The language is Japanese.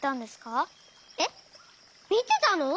えっみてたの？